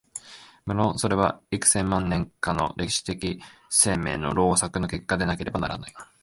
無論それは幾千万年かの歴史的生命の労作の結果でなければならない。